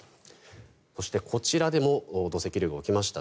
そして、こちらでも土石流が起きました。